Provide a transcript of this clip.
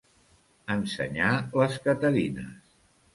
Ensenyar les caterines.